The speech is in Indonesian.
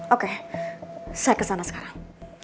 oke saya kesana sekarang